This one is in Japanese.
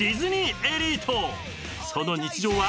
［その日常は？］